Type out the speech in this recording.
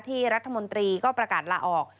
ที่รัฐมนตรีก็ประกาศลาออก